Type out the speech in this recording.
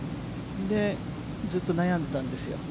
ずっと悩んでたんですよ。